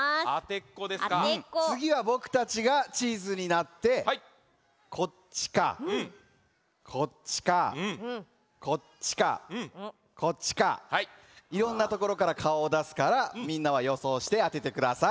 つぎはぼくたちがチーズになってこっちかこっちかこっちかこっちかいろんなところからかおをだすからみんなはよそうしてあててください。